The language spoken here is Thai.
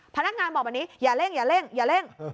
พนักงานบอกว่าอย่าเล่น